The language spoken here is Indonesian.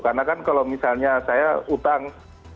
karena kan kalau misalnya saya utang